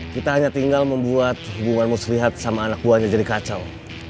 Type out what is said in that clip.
kita hanya tinggal membuat hubungan muslihat sama anak buahnya jadi kacau